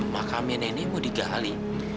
makamnya nenek mau digali